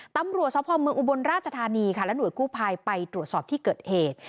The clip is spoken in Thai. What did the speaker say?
ตำรวจสภอมเมืองอุบลราชธานีค่ะและหน่วยกู้ภัยไปตรวจสอบที่เกิดเหตุ